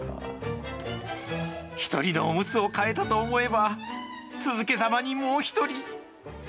１人のおむつを替えたと思えば、続けざまにもう１人。